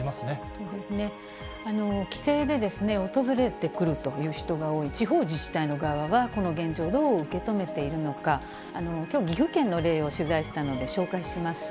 そうですね、帰省で訪れてくるという人が多い地方自治体の側は、この現状をどう受け止めているのか、きょう、岐阜県の例を取材したので紹介します。